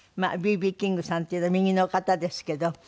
Ｂ．Ｂ．キングさんっていうのは右の方ですけど。